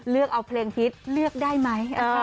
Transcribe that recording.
เลือกเอาเพลงฮิตเลือกได้ไหม